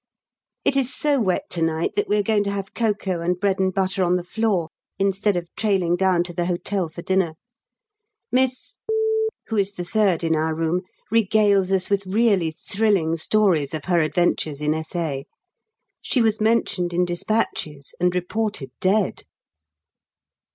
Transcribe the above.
It is so wet to night that we are going to have cocoa and bread and butter on the floor, instead of trailing down to the hotel for dinner. Miss , who is the third in our room, regales us with really thrilling stories of her adventures in S.A. She was mentioned in despatches, and reported dead.